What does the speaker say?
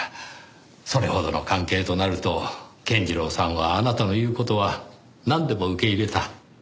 それほどの関係となると健次郎さんはあなたの言う事はなんでも受け入れた。